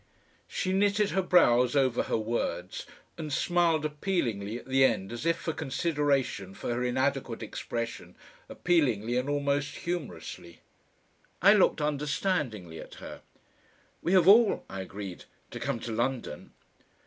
She knitted her brows over her words and smiled appealingly at the end as if for consideration for her inadequate expression, appealingly and almost humorously. I looked understandingly at her. "We have all," I agreed, "to come to London."